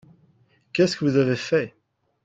Qu'est-ce que vous avez fait ?